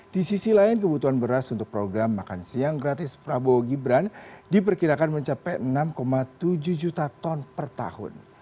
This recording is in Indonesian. di sisi lain kebutuhan beras untuk program makan siang gratis prabowo gibran diperkirakan mencapai enam tujuh juta ton per tahun